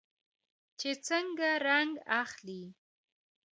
چې څنګه رنګ اخلي.